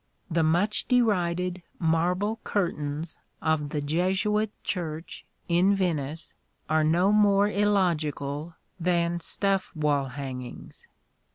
The much derided marble curtains of the Jesuit church in Venice are no more illogical than stuff wall hangings.